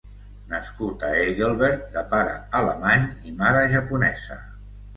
Nascut a Heidelberg, de pare alemany i mare japonesa.